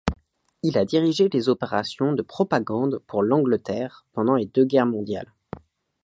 Il a dirigé des opérations de propagande pour l'Angleterre pendant les deux guerres mondiales.